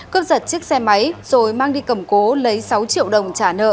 cướp giật chiếc xe máy rồi mang đi cầm cố lấy sáu triệu đồng trả nợ